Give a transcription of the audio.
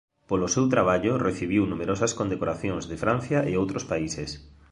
Polo seu traballo recibiu numerosas condecoracións de Francia e outros países.